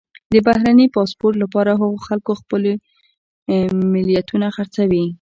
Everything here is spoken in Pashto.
د بهرني پاسپورټ لپاره هغو خلکو خپلې ملیتونه خرڅوي.